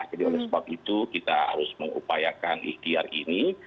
jadi oleh sebab itu kita harus mengupayakan ikhtiar ini